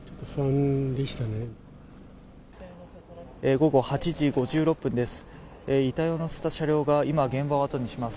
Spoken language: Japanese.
午後８時５６分です。